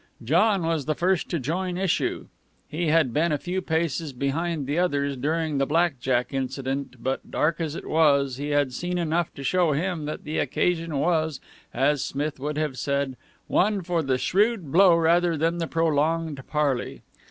John was the first to join issue. He had been a few paces behind the others during the black jack incident, but, dark as it was, he had seen enough to show him that the occasion was, as Smith would have said, one for the shrewd blow rather than the prolonged parley.